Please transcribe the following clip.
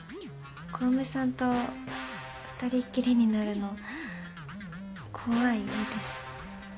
小梅さんと２人っきりになるの怖いです。